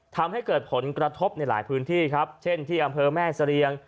ทำให้เกิดผลกระทบในหลายพื้นที่ครับเช่นที่อำเภอแม่เสรียง